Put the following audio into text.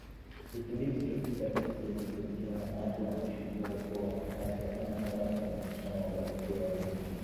Wiki mbili zilizopita, ghasia zilizochochewa na watu wanaoshukiwa kuwa wafuasi wa chama tawala kwenye mkutano wa mabadiliko ya wananchi.